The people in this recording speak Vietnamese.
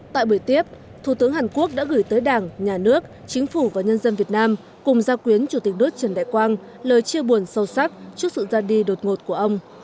tại buổi tiếp thủ tướng hàn quốc đã gửi tới đảng nhà nước chính phủ và nhân dân việt nam cùng giao quyến chủ tịch nước trần đại quang lời chia buồn sâu sắc trước sự ra đi đột ngột của ông